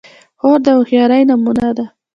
خور د هوښیارۍ نمونه ده.